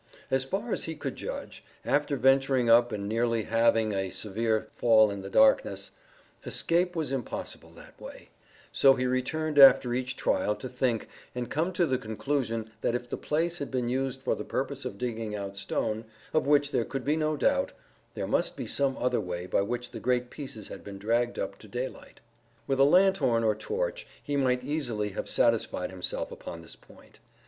As far as he could judge, after venturing up and nearly having a severe fall in the darkness, escape was impossible that way, so he returned after each trial to think, and come to the conclusion that if the place had been used for the purpose of digging out stone, of which there could be no doubt, there must be some other way by which the great pieces had been dragged up to daylight. With a lanthorn or torch he might easily have satisfied himself upon this point.